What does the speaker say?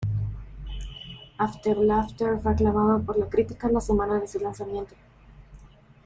After Laughter fue aclamado por la crítica la semana de su lanzamiento.